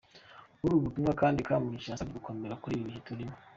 Muri ubu butumwa kandi Kamugisha yasabwe gukomera muri ibi bihe arimo.